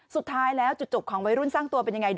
สุดท้ายแล้วจุดจบของวัยรุ่นสร้างตัวเป็นยังไง